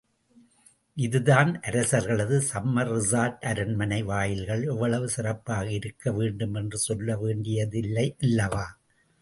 இதுதான் அரசர்களது summer resort. அரண்மனை வாயில்கள் எவ்வளவு சிறப்பாக இருக்க வேண்டும் என்று சொல்ல வேண்டியதில்லை அல்லவா?